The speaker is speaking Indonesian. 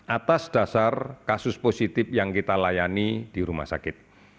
atas dasar kasus positif yang kita layani di rumah sakit